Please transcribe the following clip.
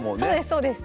そうです